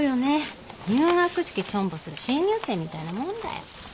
入学式チョンボする新入生みたいなもんだよ。